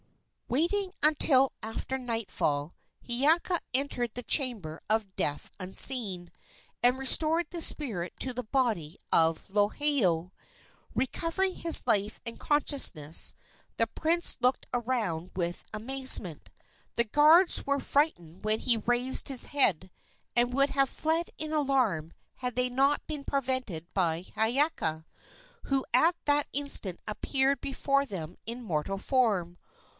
Waiting until after nightfall, Hiiaka entered the chamber of death unseen, and restored the spirit to the body of Lohiau. Recovering his life and consciousness, the prince looked around with amazement. The guards were frightened when he raised his head, and would have fled in alarm had they not been prevented by Hiiaka, who at that instant appeared before them in mortal form.